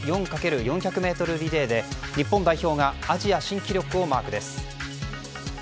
男子４×４００ｍリレーで日本代表がアジア新記録をマークです。